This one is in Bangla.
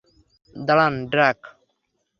দাঁড়ান, ড্রাক।